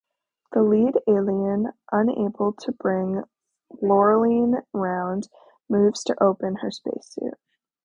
The lead alien, unable to bring Laureline round, moves to open her spacesuit.